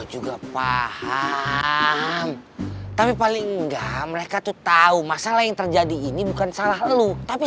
juga paham tapi paling enggak mereka tuh tahu masalah yang terjadi ini bukan salah lelu tapi